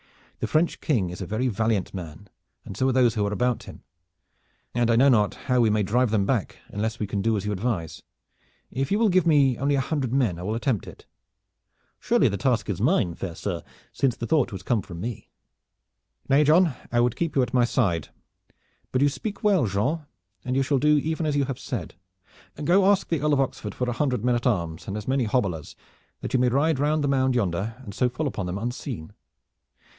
"The French King is a very valiant man, and so are those who are about him, and I know not how we may drive them back unless we can do as you advise. If you will give me only a hundred men I will attempt it." "Surely the task is mine, fair sir, since the thought has come from me," said Chandos. "Nay, John, I would keep you at my side. But you speak well, Jean, and you shall do even as you have said. Go ask the Earl of Oxford for a hundred men at arms and as many hobblers, that you may ride round the mound yonder, and so fall upon them unseen.